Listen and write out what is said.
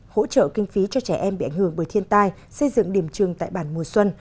hỗ trợ kinh phí cho trẻ em bị ảnh hưởng bởi thiên tai xây dựng điểm trường tại bản mùa xuân